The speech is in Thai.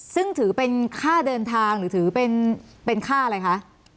ซึ่งถือเป็นค่าเดินทางหรือถือเป็นค่าอะไรคะ